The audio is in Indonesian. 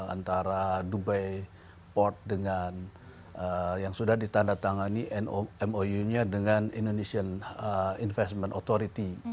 antara dubai port dengan yang sudah ditandatangani mou nya dengan indonesian investment authority